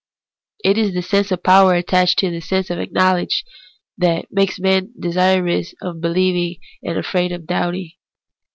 It is the sense of power attached to a sense of knowledge that makes men desirous of beheving, and afraid of doubting.